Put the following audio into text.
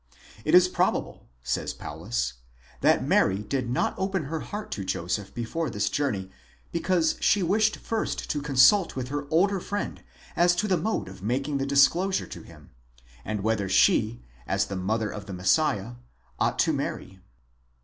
It is probable, says Paulus, that Mary did not open her heart to Joseph before this journey, because she wished first to consult with her older friend as to the mode of making the disclosure to him, and whether she, as the mother of the Messiah, ought to marry.